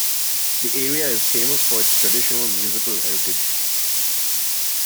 The area is famous for its traditional musical heritage.